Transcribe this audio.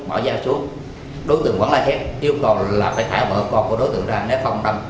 bỏ dao xuống đối tượng vẫn là hết yêu cầu là phải thả bỡ con của đối tượng ra nếu không đâm